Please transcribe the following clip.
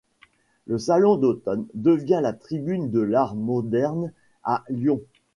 Le Salon d'automne devient la tribune de l'art moderne à Lyon.